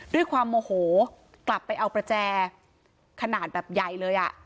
ด้วยความโมโหกลับไปเอาประแจขนาดแบบใหญ่เลยอ่ะ